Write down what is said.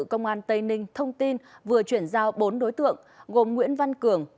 công an tây ninh thông tin vừa chuyển giao bốn đối tượng gồm nguyễn văn cường